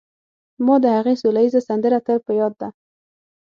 ما د هغې سوله ييزه سندره تل په ياد ده